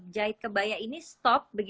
jahit kebaya ini stop